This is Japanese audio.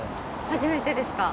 初めてですか。